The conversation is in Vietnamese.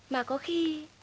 mà có khi